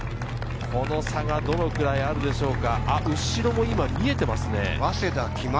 この差がどのくらいあるでしょうか。